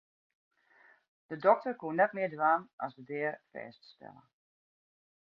De dokter koe net mear dwaan as de dea fêststelle.